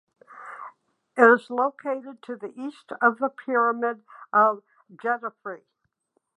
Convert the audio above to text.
It is located to the east of the Pyramid of Djedefre.